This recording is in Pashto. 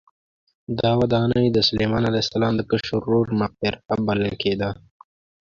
دا ودانۍ د سلیمان علیه السلام د کشر ورور مقبره بلل کېده.